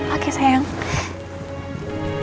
oke sayang yuk